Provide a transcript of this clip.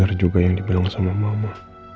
dengar juga yang dibilang sama mama